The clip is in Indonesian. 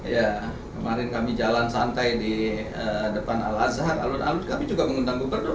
ya kemarin kami jalan santai di depan al azhar alun alun kami juga mengundang gubernur